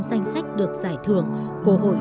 danh sách được giải thưởng của hội